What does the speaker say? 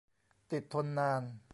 ติดทนนาน